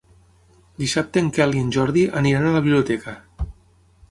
Dissabte en Quel i en Jordi aniran a la biblioteca.